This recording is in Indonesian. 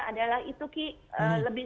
adalah itu ki lebih